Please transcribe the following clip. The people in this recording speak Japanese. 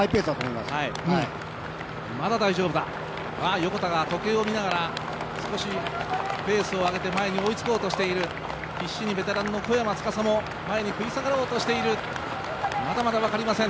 まだ大丈夫だ、横田が時計を見ながら前に追いつこうとしている、必死にベテランの小山司も前に食い下がろうとしている、まだまだ分かりません。